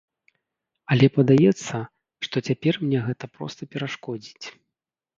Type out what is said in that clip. Але падаецца, што цяпер мне гэта проста перашкодзіць.